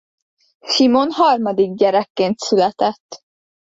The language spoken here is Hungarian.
Simon harmadik gyerekként született.